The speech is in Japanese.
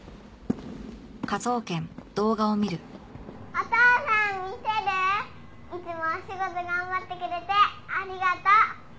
「お父さん見てる？」「いつもお仕事頑張ってくれてありがとう」